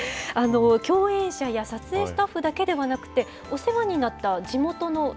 共演者や撮影スタッフだけではなくて、お世話になった地元の、